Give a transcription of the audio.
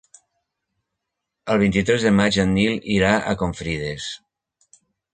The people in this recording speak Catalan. El vint-i-tres de maig en Nil irà a Confrides.